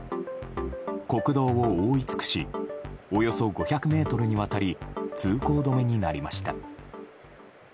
国道を覆い尽くしおよそ５００ｍにわたり通行止めになりました。